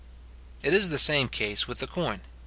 It is the same case with the coin.